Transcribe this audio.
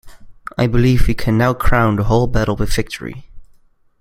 I believe we can now crown the whole battle with victory.